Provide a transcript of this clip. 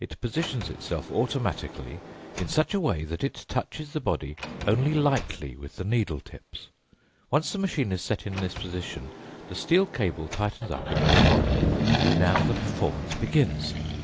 It positions itself automatically in such a way that it touches the body only lightly with the needle tips. Once the machine is set in this position, this steel cable tightens up into a rod. And now the performance begins.